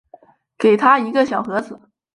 给他一个小盒子